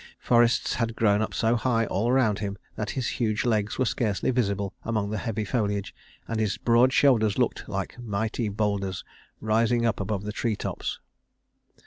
Forests had grown up so high all around him that his huge legs were scarcely visible among the heavy foliage, and his broad shoulders looked like mighty bowlders rising up above the tree tops.